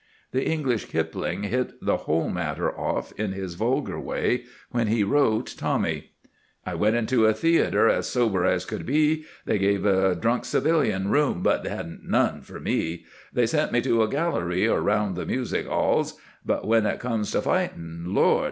The English Kipling hit the whole matter off in his vulgar way when he wrote Tommy: I went into a theatre as sober as could be; They gave a drunk civilian room, but 'adn't none for me; They sent me to a gallery, or round the music 'alls; But when it comes to fightin' Lord!